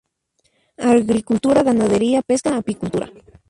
Agricultura, ganadería, pesca, apicultura.